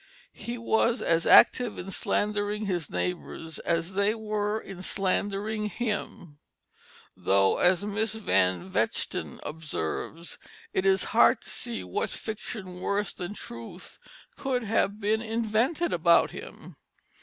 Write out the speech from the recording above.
He was as active in slandering his neighbors as they were in slandering him; though, as Miss Van Vechten observes, "It is hard to see what fiction worse than truth could have been invented about him."